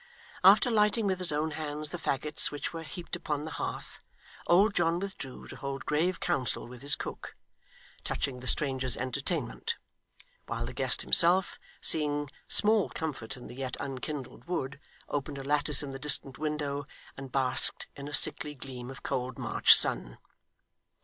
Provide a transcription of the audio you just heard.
After lighting with his own hands the faggots which were heaped upon the hearth, old John withdrew to hold grave council with his cook, touching the stranger's entertainment; while the guest himself, seeing small comfort in the yet unkindled wood, opened a lattice in the distant window, and basked in a sickly gleam of cold March sun.